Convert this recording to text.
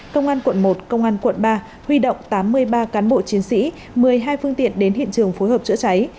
công an quận một công an quận ba huy động tám mươi ba cán bộ chiến sĩ một mươi hai phương tiện đến hiện trường phối hợp chữa cháy